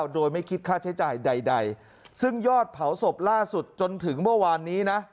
โดยไม่คิดค่าใช้จ่ายใดซึ่งยอดเผาศพล่าสุดจนถึงเมื่อวานนี้นะ